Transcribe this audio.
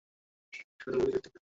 শুধু বডি দেখাতে পারে!